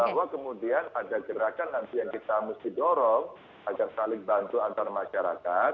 bahwa kemudian ada gerakan nanti yang kita mesti dorong agar saling bantu antar masyarakat